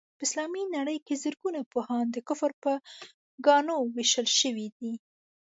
په اسلامي نړۍ کې زرګونه پوهان د کفر په ګاڼو ويشتل شوي دي.